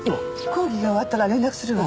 講義が終わったら連絡するわ。